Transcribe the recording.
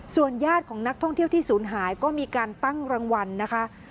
ญาติของนักท่องเที่ยวที่ศูนย์หายก็มีการตั้งรางวัลนะคะ